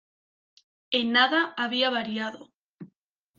En nada había variado.